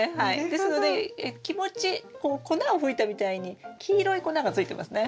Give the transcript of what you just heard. ですので気持ちこう粉を吹いたみたいに黄色い粉がついてますね。